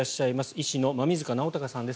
医師の馬見塚尚孝さんです。